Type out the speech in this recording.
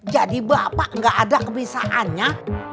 jadi bapak nggak ada kebisaannya